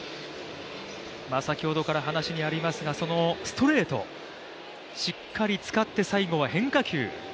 先ほどからありましたがストレート、しっかり使って最後は変化球。